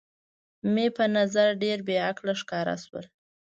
مې په نظر ډېره بې عقله ښکاره شول.